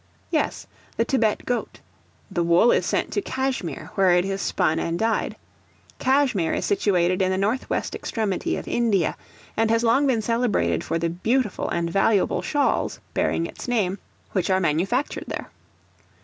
Yes; the Thibet goat. The wool is sent to Cashmere, where it is spun and dyed. Cashmere is situated in the north west extremity of India, and has long been celebrated for the beautiful and valuable shawls bearing its name which are manufactured there.